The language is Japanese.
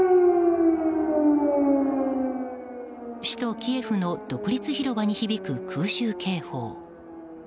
首都キエフの独立広場に響く空襲警報。